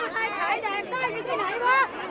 ต้องใจร่วม